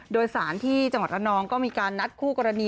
โดยสารที่จังหวัดระนองก็มีการนัดคู่กรณี